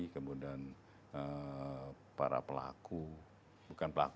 kemudian para pelaku